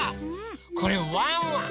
これワンワン！